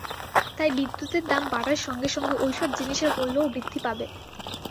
তাই বিদ্যুতের দাম বাড়ার সঙ্গে সঙ্গে ওই সব জিনিসের মূল্যও বৃদ্ধি পাবে।